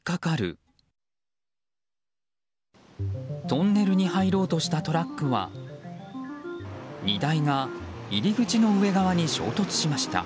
トンネルに入ろうとしたトラックは荷台が入り口の上側に衝突しました。